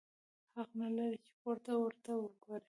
حق نه لرې چي پورته ورته وګورې!